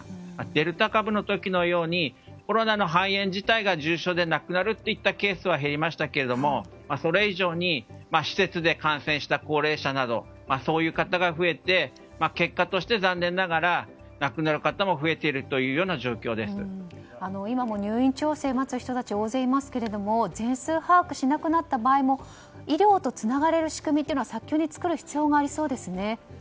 デルタ株の時のようにコロナの肺炎自体が重症で亡くなるケースは減りましたがそれ以上に施設で感染した高齢者などそういう方が増えて結果として残念ながら今も入院調整を待つ人が大勢いますが全数把握しなくなった場合も医療とつながれる仕組みは早急に作る必要がありそうですね。